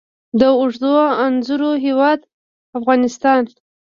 د اوږدو انځرو هیواد افغانستان.